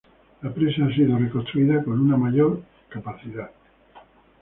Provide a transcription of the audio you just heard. La presa ha sido reconstruida con una mayor capacidad.